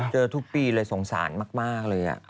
ทุกปีเลยสงสารมากเลย